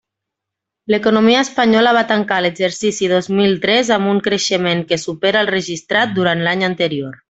L'economia espanyola va tancar l'exercici dos mil tres amb un creixement que supera el registrat durant l'any anterior.